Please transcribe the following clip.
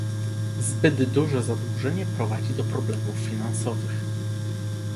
Zbyt duże zadłużenie prowadzi do problemów finansowych.